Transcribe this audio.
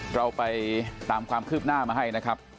เราไปตามความคืบหน้ามาให้นะครับ